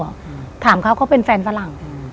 ไม่มีศาลปุ่มหรอถามเขาก็เป็นแฟนฝรั่ง